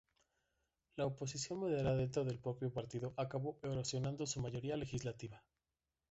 La oposición moderada dentro del propio partido acabó erosionando su mayoría legislativa.